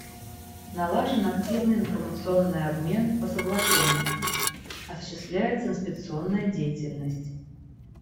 Налажен активный информационный обмен по соглашению, осуществляется инспекционная деятельность.